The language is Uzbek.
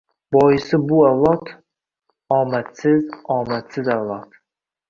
Boisi — bu avlod... omadsiz-omadsiz avlod!